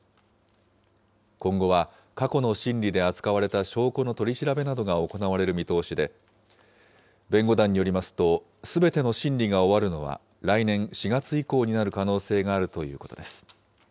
今後は過去の審理で扱われた証拠の取り調べなどが行われる見通しで、弁護団によりますと、すべての審理が終わるのは、来年４月以降になる可能性があるということです。